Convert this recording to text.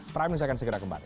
prime news akan segera kembali